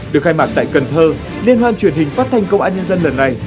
được khai mạc tại cần thơ liên hoan truyền hình phát thanh công an nhân dân lần này